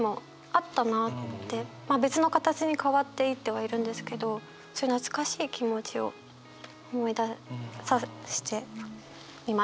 別の形に変わっていってはいるんですけどそういう懐かしい気持ちを思い出していました。